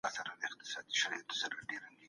ښه ده چې تېر هم کله ناکله یاد شي.